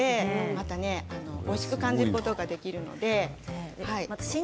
またおいしく感じることができるので。